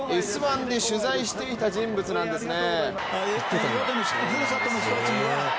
「Ｓ☆１」が取材していた人物なんですね。